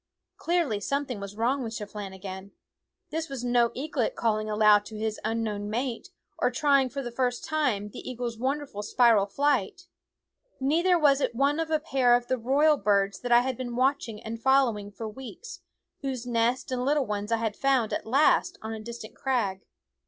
Clearly something was wrong with Chep lahgan. This was no eaglet calling aloud to his unknown mate, or trying for the first time the eagle's wonderful spiral flight ; neither was it one of a pair of the royal birds that I had been watching and following for weeks, 345 SCHOOL Of Tfow whose nest and little ones I had found at last on a distant crag.